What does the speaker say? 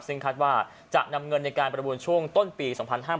ซึ่งคาดว่าจะนำเงินในการประมูลช่วงต้นปี๒๕๕๙